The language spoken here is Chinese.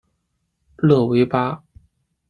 勒维巴。